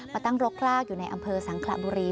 ตั้งรกรากอยู่ในอำเภอสังขระบุรี